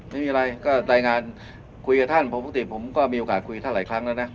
ไม่มีอะไรก็รายงานคุยกับท่านปกติผมก็มีโอกาสคุยท่านหลายครั้งแล้วนะ